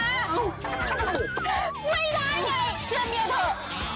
ไม่ได้เลยเชื่อเมียเถอะ